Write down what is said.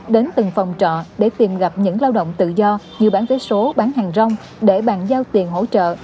đến từng phòng trọ để tìm gặp những lao động tự do như bán vé số bán hàng rong để bàn giao tiền hỗ trợ